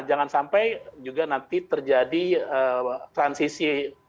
jangan sampai juga nanti terjadi transisi